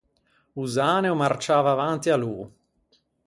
O Zane o marciava avanti à lô.